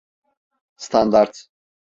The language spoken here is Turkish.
Standart…